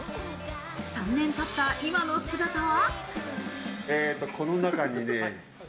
３年経った今の姿は。